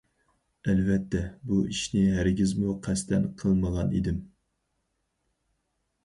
ئەلۋەتتە بۇ ئىشنى ھەرگىزمۇ قەستەن قىلمىغان ئىدىم.